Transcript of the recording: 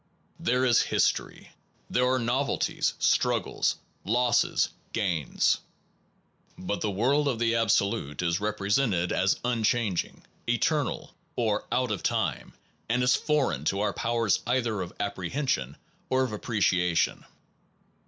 There is history. There are novelties, struggles, losses, gains. But the world of the Absolute is represented as unchanging, eternal, or out of time, and is foreign to our powers either of apprehension or of appreciation.